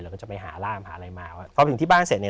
ก็จะไปหาร่ามหาอะไรมาว่าพอถึงที่บ้านเสร็จเนี่ย